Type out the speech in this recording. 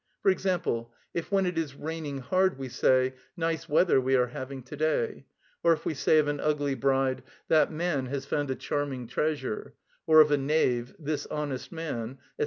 For example, if when it is raining hard we say, "Nice weather we are having to day;" or if we say of an ugly bride, "That man has found a charming treasure;" or of a knave, "This honest man," &c.